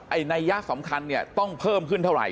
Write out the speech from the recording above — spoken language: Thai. นัยยะสำคัญเนี่ยต้องเพิ่มขึ้นเท่าไหร